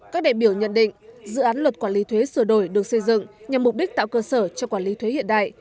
các đại biểu nhận định dự án luật quản lý thuế sửa đổi được xây dựng nhằm mục đích tạo cơ sở cho quản lý thuế hiện đại